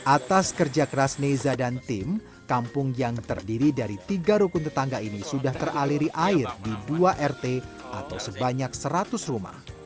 atas kerja keras neza dan tim kampung yang terdiri dari tiga rukun tetangga ini sudah teraliri air di dua rt atau sebanyak seratus rumah